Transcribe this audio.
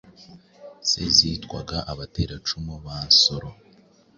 se zitwaga Abateracumu ba Nsoro.